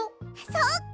そっか！